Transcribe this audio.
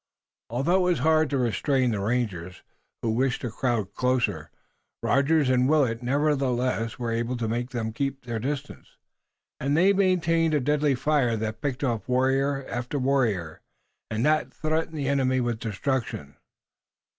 Although it was hard to restrain the rangers, who wished to crowd closer, Rogers and Willet nevertheless were able to make them keep their distance, and they maintained a deadly fire that picked off warrior after warrior and that threatened the enemy with destruction.